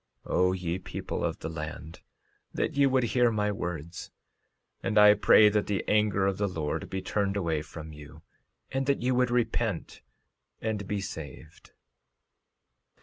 13:39 O ye people of the land, that ye would hear my words! And I pray that the anger of the Lord be turned away from you, and that ye would repent and be saved.